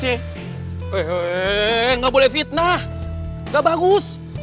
hehehe nggak boleh fitnah gak bagus